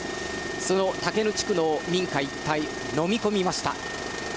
その竹野地区の民家一帯をのみ込みました。